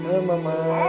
cuk cuk cuk